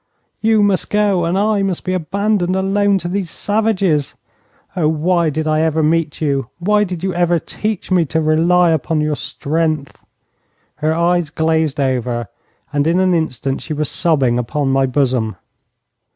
'You must go? And I must be abandoned alone to these savages? Oh, why did I ever meet you? Why did you ever teach me to rely upon your strength?' Her eyes glazed over, and in an instant she was sobbing upon my bosom.